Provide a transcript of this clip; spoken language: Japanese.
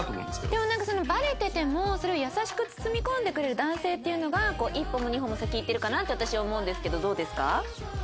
でもバレててもそれを優しく包み込んでくれる男性っていうのが１歩も２歩も先を行ってるかなって私は思うんですけどどうですか？